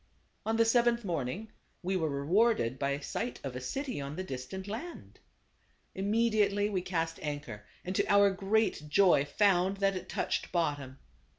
On the seventh morning we were rewarded by i^oiWrecf sight of a city on the dis tant land. Immediately we cast anchor, and to our great joy found that it touched bottom.